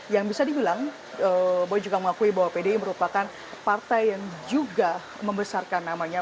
yang bisa dibilang boy juga mengakui bahwa pdi merupakan partai yang juga membesarkan namanya